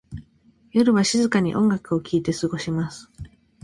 夜は静かに音楽を聴いて過ごします。